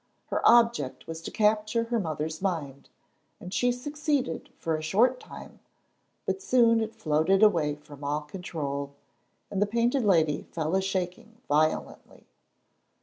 Her object was to capture her mother's mind, and she succeeded for a short time, but soon it floated away from all control, and the Painted Lady fell a shaking violently.